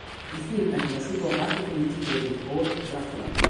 Il film è conosciuto anche con il titolo di "Old Dracula".